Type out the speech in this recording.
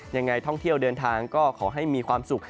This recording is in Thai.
ยังไงท่องเที่ยวเดินทางก็ขอให้มีความสุข